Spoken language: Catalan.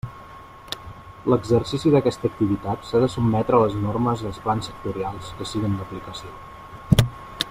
L'exercici d'aquesta activitat s'ha de sotmetre a les normes i els plans sectorials que siguen d'aplicació.